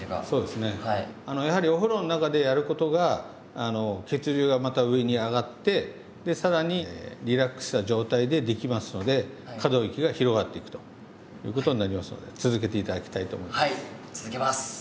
そうですねやはりお風呂の中でやることが血流がまた上に上がって更にリラックスした状態でできますので可動域が広がっていくということになりますので続けて頂きたいと思います。